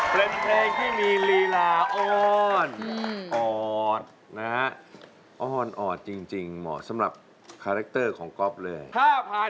วัดชางให้ลวงปู่ทวดวัดชางให้ลวงปู่ทวด